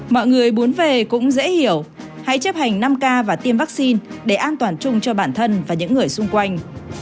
mọi người muốn về cũng dễ hiểu hãy chấp hành năm k và tiêm vaccine để an toàn chung cho bản thân và những người xung quanh